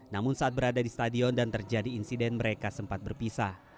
namun saat berada di stadion dan terjadi insiden mereka sempat berpisah